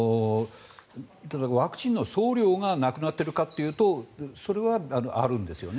ただ、ワクチンの総量がなくなっているかというとそれはあるんですよね。